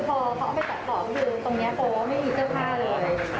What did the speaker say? ห้องเข้าไปจัดกร่องคือตรงนี้โบว่าไม่มีเจ้าพ่ายเลย